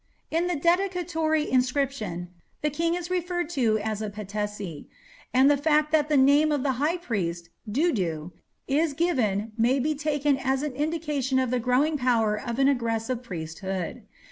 In the dedicatory inscription the king is referred to as a patesi, and the fact that the name of the high priest, Dudu, is given may be taken as an indication of the growing power of an aggressive priesthood.